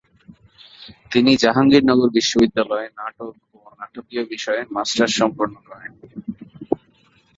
তিনি জাহাঙ্গীরনগর বিশ্ববিদ্যালয়ের নাটক ও নাটকীয় বিষয়ে মাস্টার্স সম্পন্ন করেন।